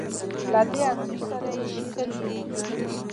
له دې انځور سره يې ليکلې وو .